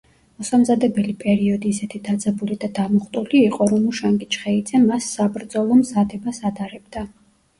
მოსამზადებელი პერიოდი ისეთი დაძაბული და დამუხტული იყო, რომ უშანგი ჩხეიძე მას საბრძოლო მზადებას ადარებდა.